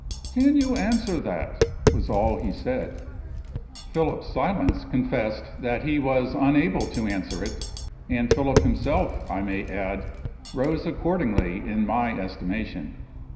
"Can you answer that?" was all he said. Philip's silence confessed that he was unable to answer it and Philip himself, I may add, rose accordingly in my estimation.